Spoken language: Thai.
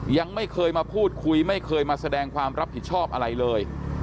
ยังไม่เคยมาพูดคุยไม่เคยมาแสดงความรับผิดชอบอะไรเลย